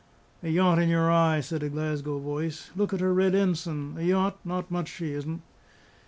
"A yacht in your eye!" said a Glasgow voice. "Look at her red ensign! A yacht! not much she isn't!"